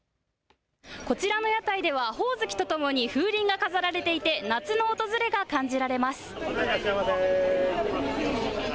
こちらの屋台ではほおずきとともに風鈴が飾られていて夏の訪れが感じられます。